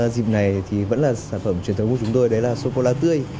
dịp này thì vẫn là sản phẩm truyền thống của chúng tôi đấy là sô cô la tươi